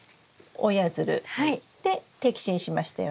摘心しましたよね？